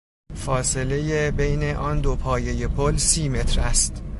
فاصلهٔ بین آن دو پایهٔ پل سی متر است.